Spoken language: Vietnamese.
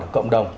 ở cộng đồng